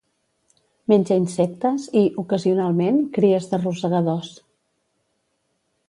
Menja insectes i, ocasionalment, cries de rosegadors.